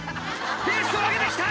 ペースを上げて来た！